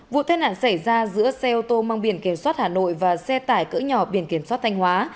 vụ tai nạn xảy ra giữa xe ô tô mang biển kiểm soát hà nội và xe tải cỡ nhỏ biển kiểm soát thanh hóa